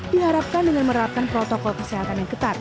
diharapkan dengan menerapkan protokol kesehatan yang ketat